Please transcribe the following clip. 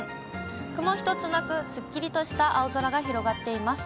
雲ひとつなく、すっきりとした青空が広がっています。